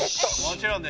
もちろん。